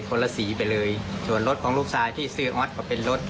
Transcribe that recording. ละสีไปเลยส่วนรถของลูกชายที่ซื้อออสก็เป็นรถ